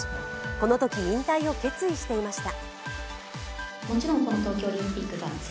このとき引退を決意していました。